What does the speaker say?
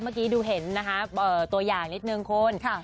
เมื่อกี้ดูเห็นนะคะตัวอย่างนิดนึงคุณ